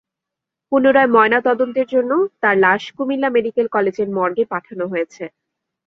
পুনরায় ময়নাতদন্তের জন্য তাঁর লাশ কুমিল্লা মেডিকেল কলেজের মর্গে পাঠানো হয়েছে।